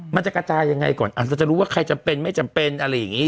มันจะกระจายยังไงก่อนอาจจะรู้ว่าใครจำเป็นไม่จำเป็นอะไรอย่างนี้